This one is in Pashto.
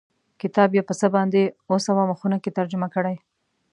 کتاب یې په څه باندې اووه سوه مخونو کې ترجمه کړی.